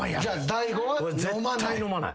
大悟は飲まない。